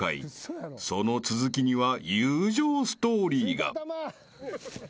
［その続きには友情ストーリーが］